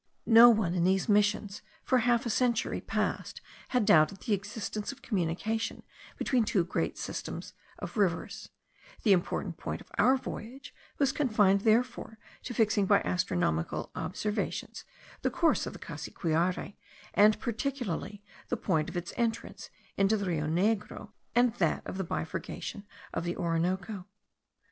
No one in these missions for half a century past had doubted the existence of communication between two great systems of rivers; the important point of our voyage was confined therefore to fixing by astronomical observations the course of the Cassiquiare, and particularly the point of its entrance into the Rio Negro, and that of the bifurcation of the Orinoco.